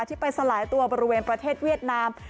ที่ไปสลายตัวบริเวณประเทศเวียดนาม